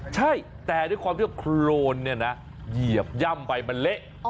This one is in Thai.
ใช่แต่ด้วยความที่ว่าโครนเนี่ยนะเหยียบย่ำไปมันเละ